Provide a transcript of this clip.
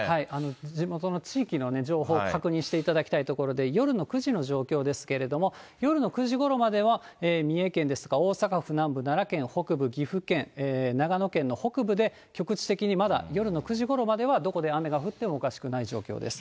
地元の地域の情報を確認していただきたいところで、夜の９時の状況ですけれども、夜の９時ごろまでは、三重県ですとか大阪府南部、奈良県北部、岐阜県、長野県の北部で、局地的にまだ夜の９時ごろまではどこで雨が降ってもおかしくない状況です。